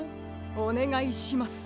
おねがいします。